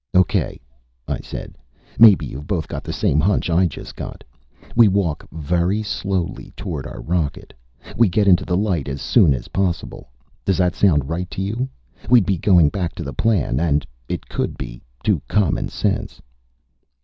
"Okay," I said. "Maybe you've both got the same hunch I just got. We walk very slowly toward our rocket. We get into the light as soon as possible. Does that sound right to you? We'd be going back to the plan. And, it could be, to common sense."